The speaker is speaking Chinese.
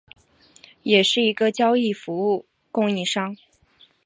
也是一个交易服务供应商。